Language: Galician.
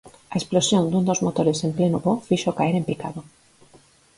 A explosión dun dos motores en pleno voo fíxoo caer en picado.